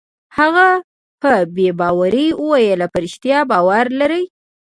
هغه په بې باورۍ وویل: په رښتیا باور لرې؟